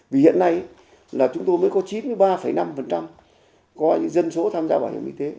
vì hiện nay là chúng tôi mới có chín mươi ba năm có dân số tham gia bảo hiểm y tế